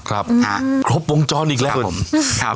ครบวงจรอีกแล้ว